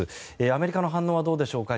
アメリカの反応はどうでしょうか。